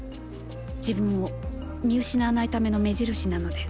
自分を、見失わないための目印なので。